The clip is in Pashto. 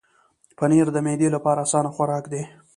پنېر د معدې لپاره اسانه خوراک دی.